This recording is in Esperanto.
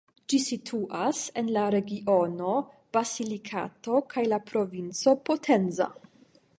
Ĝi situas en la regiono Basilikato kaj la provinco Potenza.